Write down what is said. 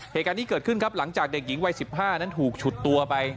เหตุการณ์นี้เกิดขึ้นครับหลังจากเด็กหญิงวัย๑๕นั้นถูกฉุดตัวไป